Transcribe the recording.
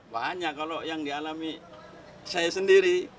banyak kalau yang dialami saya sendiri